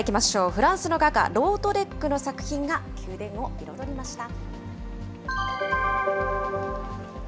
フランスの画家、ロートレックの作品が宮殿を彩りました。